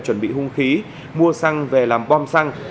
chuẩn bị hung khí mua xăng về làm bom xăng